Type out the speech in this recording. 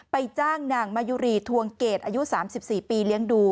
จ้างนางมายุรีทวงเกรดอายุ๓๔ปีเลี้ยงดู